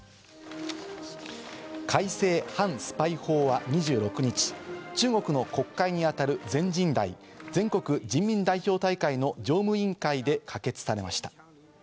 改正反スパイ法は２６日、中国の国会にあたる全人代＝全国人民代表大会の常務委員会で可決されました。